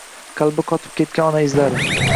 qalbi qolib ketgan ona izlari